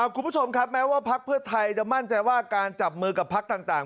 คุณผู้ชมครับแม้ว่าพักเพื่อไทยจะมั่นใจว่าการจับมือกับพักต่าง